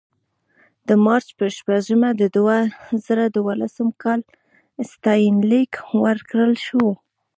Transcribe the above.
د مارچ په شپږمه د دوه زره دولسم کال ستاینلیک ورکړل شو.